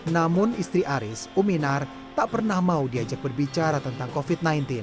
namun istri aris uminar tak pernah mau diajak berbicara tentang covid sembilan belas